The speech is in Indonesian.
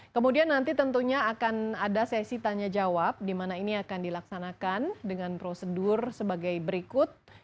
kemudian nanti tentunya akan ada sesi tanya jawab di mana ini akan dilaksanakan dengan prosedur sebagai berikut